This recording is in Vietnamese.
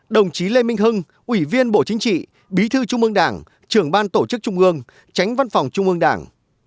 đồng chí lê minh hưng ủy viên bộ chính trị bí thư trung ương đảng trưởng ban tổ chức trung ương tránh văn phòng trung ương đảng